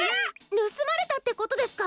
ぬすまれたってことですか？